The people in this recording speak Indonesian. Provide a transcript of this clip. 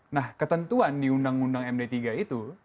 nah ketentuan di undang undang md tiga itu